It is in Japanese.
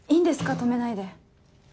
止めないで。